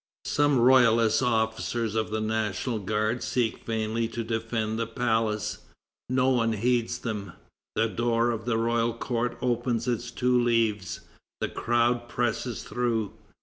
Some royalist officers of the National Guard seek vainly to defend the palace. No one heeds them. The door of the Royal Court opens its two leaves. The crowd presses through.